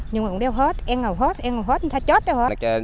nhưng mà cũng đeo hết e ngầu hết e ngầu hết thay chết đeo hết